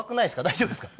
大丈夫ですか？